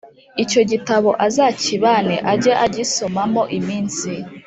Icyo gitabo azakibane ajye agisomamo iminsi